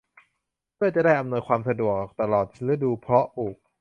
เพื่อจะได้อำนวยความสะดวกตลอดฤดูเพาะปลูก